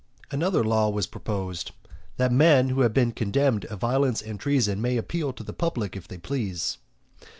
IX. Another law was proposed, that men who had been condemned of violence and treason may appeal to the public if they please.